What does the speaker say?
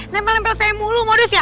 sempurna mulu modus ya